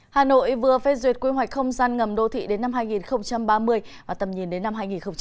hà nội vừa phê duyệt quy hoạch không gian ngầm đô thị đến năm hai nghìn ba mươi và tầm nhìn đến năm hai nghìn bốn mươi